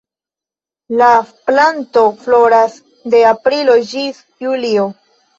La planto floras de aprilo ĝis julio.